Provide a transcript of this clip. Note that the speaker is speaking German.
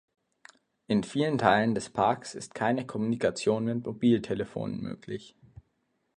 In vielen Teilen des Parks ist keine Kommunikation mit Mobiltelefonen möglich.